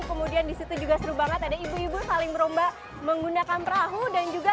kemudian disitu juga seru banget ada ibu ibu saling berombak menggunakan perahu dan juga